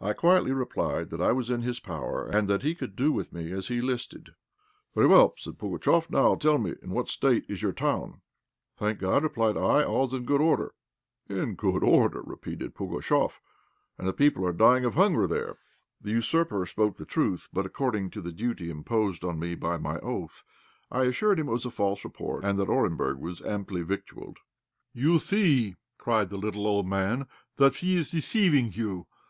I quietly replied that I was in his power, and that he could do with me as he listed. "Very well," said Pugatchéf; "now tell me in what state is your town?" "Thank God," replied I, "all is in good order." "In good order!" repeated Pugatchéf, "and the people are dying of hunger there." The usurper spoke truth; but, according to the duty imposed on me by my oath, I assured him it was a false report, and that Orenburg was amply victualled. "You see," cried the little old man, "that he is deceiving you.